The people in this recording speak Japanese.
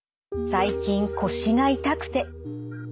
最近腰が痛くて。